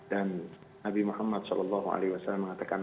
dan nabi muhammad saw mengatakan